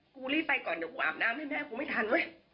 กูรีบไปก่อนเดี๋ยวกูอาบน้ำให้ไม่ทัน